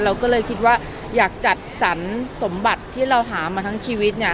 เราก็เลยคิดว่าอยากจัดสรรสมบัติที่เราหามาทั้งชีวิตเนี่ย